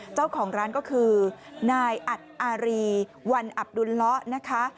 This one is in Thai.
เจ้าของร้านก็คือนายอัดอารีวันอับดุลเลาะนะคะ